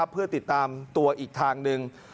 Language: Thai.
เพื่อติดตามตัวอีกทางหนึ่ง